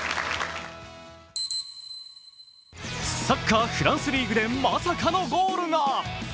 サッカー、フランスリーグでまさかのゴールが。